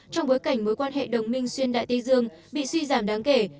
trong bối cảnh mối quan hệ đồng minh xuyên đại tây dương bị suy giảm đáng kể